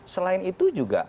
selain itu juga